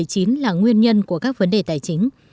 tại dịch covid một mươi chín là nguyên nhân của các vấn đề tài chính